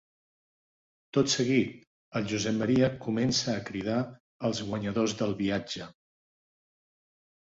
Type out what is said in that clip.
Tot seguit, el Josep Maria comença a cridar els guanyadors del viatge.